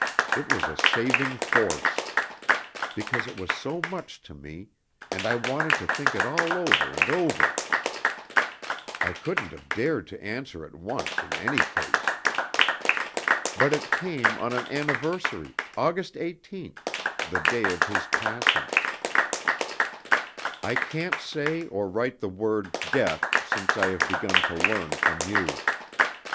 It was a saving force. Because it was so much to me, and I wanted to think it all over and over, I couldn't have dared to answer at once in any case. But it came on an anniversary, August 18th, the day of his passing. I can't say or write the word 'death,' since I have begun to learn from you.